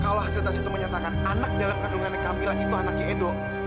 kalau hasil tes itu menyatakan anak dalam kandungan e camillah itu anaknya edo